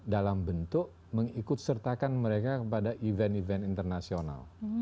dalam bentuk mengikut sertakan mereka kepada event event internasional